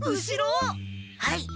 はい。